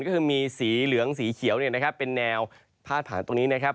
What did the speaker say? ก็คือมีสีเหลืองสีเขียวเนี่ยนะครับเป็นแนวพาดผ่านตรงนี้นะครับ